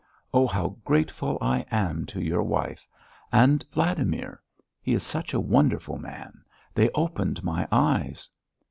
Oh, how grateful I am to your wife! And Vladimir. He is such a wonderful man! They opened my eyes."